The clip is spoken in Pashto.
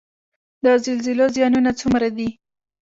د زلزلو زیانونه څومره دي؟